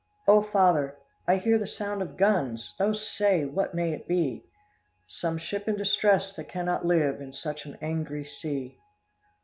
'O father, I hear the sound of guns, O say, what may it be?' 'Some ship in distress that can not live In such an angry sea.